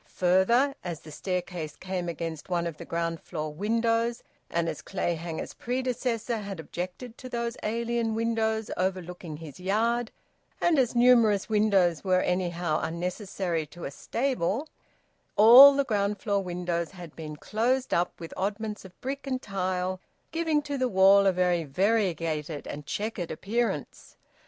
Further, as the staircase came against one of the ground floor windows, and as Clayhanger's predecessor had objected to those alien windows overlooking his yard, and as numerous windows were anyhow unnecessary to a stable, all the ground floor windows had been closed up with oddments of brick and tile, giving to the wall a very variegated and chequered appearance.